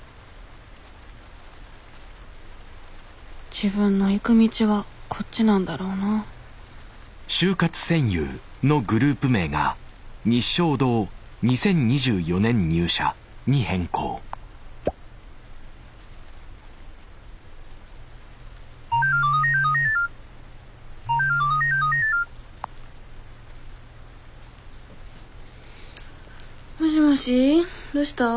自分の行く道はこっちなんだろうなもしもしどうしたん？